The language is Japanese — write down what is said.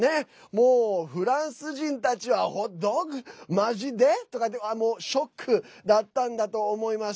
もう、フランス人たちは「ホットドッグ？まじで？」とかってショックだったんだと思います。